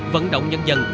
vận động nhân dân